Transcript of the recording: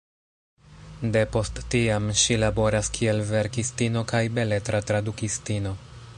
Depost tiam ŝi laboras kiel verkistino kaj beletra tradukistino.